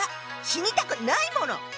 死にたくないもの！